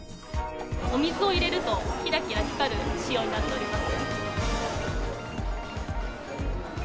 お水を入れると、きらきら光る仕様になっております。